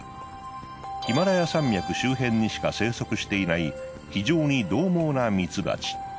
ヒマラヤ山脈周辺にしか生息していない非常にどう猛なミツバチ。